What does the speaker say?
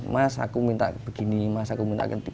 mas aku minta begini mas aku minta ganti